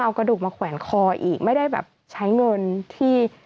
เอากระดูกมาแขวนคออีกไม่ได้แบบใช้เงินที่